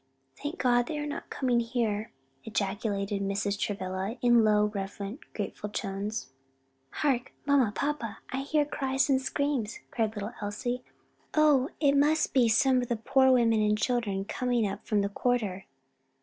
"Thank God they are not coming here!" ejaculated Mrs. Travilla, in low, reverent, grateful tones. "Hark, mamma, papa, I hear cries and screams!" exclaimed little Elsie. "Oh it must be some of the poor women and children coming up from the quarter!"